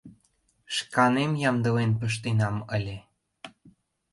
— Шканем ямдылен пыштенам ыле.